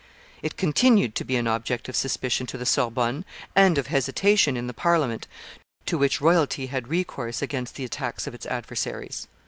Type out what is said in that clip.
It continued to be an object of suspicion to the Sorbonne and of hesitation in the Parliament, to which royalty had recourse against the attacks of its adversaries.